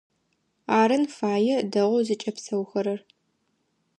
Арын фае дэгъоу зыкӀэпсэухэрэр.